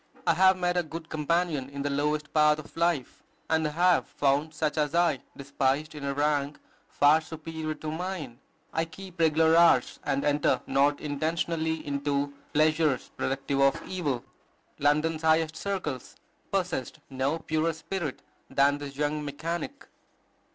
I have met a good companion in the lowest path of life, and I have found such as I despised in a rank far superior to mine.... I keep regular hours, and enter not intentionally into pleasures productive of evil." London's highest circles possessed no purer spirit than this young mechanic.